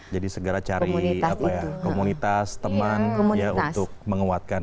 jadi segera cari komunitas teman untuk menguatkan